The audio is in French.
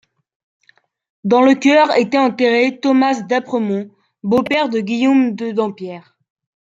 Dans le chœur était enterré Thomas d'Apremont, beau-père de Guillaume de Dampierre.